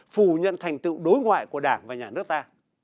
phủ nhận thành tựu đối ngoại của đảng và nhà nước ta